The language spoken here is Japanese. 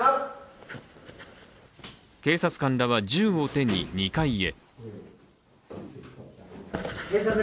警察官らは銃を手に２階へ。